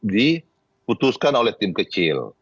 dikutuskan oleh tim kecil